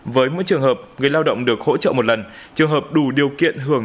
với mỗi trường hợp người lao động được hỗ trợ một lần trường hợp đủ điều kiện hưởng